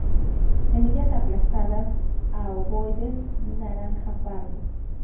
Semillas aplastadas a ovoides, naranja-pardo.